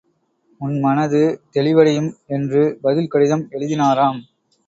உன் மனது தெளிவடையும் என்று பதில் கடிதம் எழுதினாராம்.